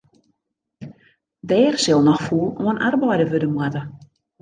Dêr sil noch fûl oan arbeide wurde moatte.